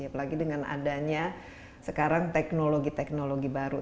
apalagi dengan adanya sekarang teknologi teknologi baru